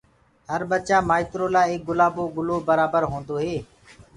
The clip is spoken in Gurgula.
هر ٻچآ ٻآئترو لآ ايڪ گُلآبو گُلو برآبر هوندوئي